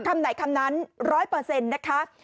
ทำไหนคำนั้นร้อยเปอร์เซ็นต์นะคะ